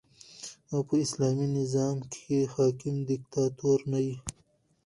او په اسلامي نظام کښي حاکم دیکتاتور نه يي.